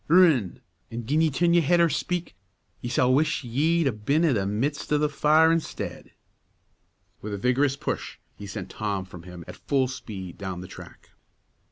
Rin! an' gin ye turn your head or speak, ye s'all wish ye'd 'a' been i' the midst o' the fire instead." With a vigorous push, he sent Tom from him at full speed down the track.